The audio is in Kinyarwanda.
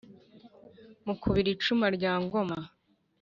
mukubira icumu rya ngoma,